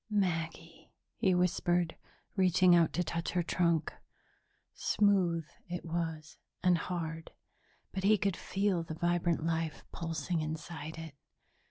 "Maggie," he whispered, reaching out to touch her trunk smooth it was, and hard, but he could feel the vibrant life pulsing inside it.